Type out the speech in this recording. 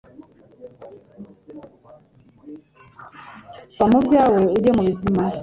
va mu byawe uge mu bizima